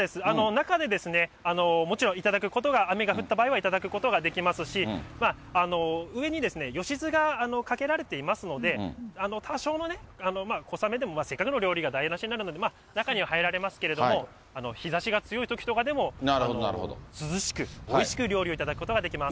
中でもちろん頂くことは、雨が降った場合は頂くことができますし、上によしずがかけられていますので、多少の小雨でも、せっかくの料理が台なしになるので、中には入られますけども、日ざしが強いときとかでも、涼しくおいしく料理を頂くことができます。